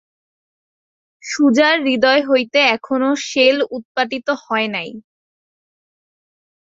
সুজার হৃদয় হইতে এখনো শেল উৎপাটিত হয় নাই।